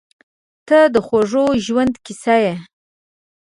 • ته د خوږ ژوند کیسه یې.